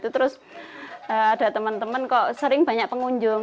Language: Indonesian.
terus ada teman teman kok sering banyak pengunjung